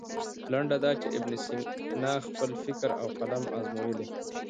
لنډه دا چې ابن سینا خپل فکر او قلم ازمویلی.